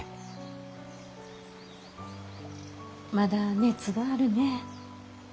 まだ熱があるね。